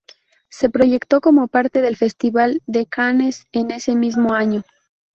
Se proyectó como parte del Festival de Cannes en ese mismo año.